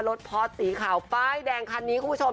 พอร์ตสีขาวป้ายแดงคันนี้คุณผู้ชม